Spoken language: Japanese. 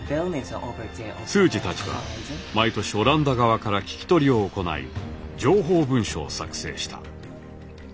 通詞たちは毎年オランダ側から聞き取りを行い情報文書を作成した。